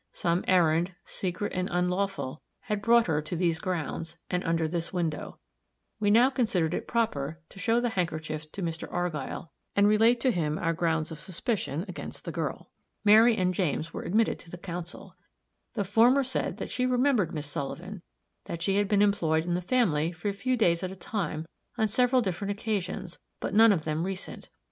Some errand, secret and unlawful, had brought her to these grounds, and under this window. We now considered it proper to show the handkerchief to Mr. Argyll, and relate to him our grounds of suspicion against the girl. Mary and James were admitted to the council. The former said that she remembered Miss Sullivan; that she had been employed in the family, for a few days at a time, on several different occasions, but none of them recent.